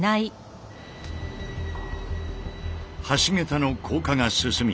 橋桁の降下が進み